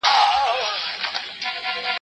چي فارغ به یې کړ مړی له کفنه